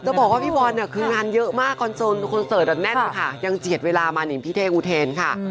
จะบอกว่าพี่บอลนี่คืองานเยอะมากคอนเซิร์ตอะแน่นอยู่ค่ะยังเจียดเวลามานี่พี่เทวูเทรนค่ะ